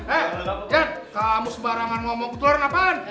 eh jad kamu sebarangan ngomong ketularan apaan